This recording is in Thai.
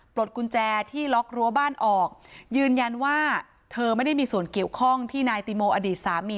ปลดกุญแจที่ล็อกรั้วบ้านออกยืนยันว่าเธอไม่ได้มีส่วนเกี่ยวข้องที่นายติโมอดีตสามี